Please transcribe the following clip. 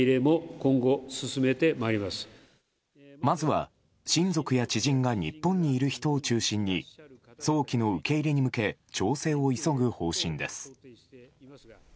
まずは親族や知人が日本にいる人を中心に早期の受け入れに向け調整を急ぐ方針です。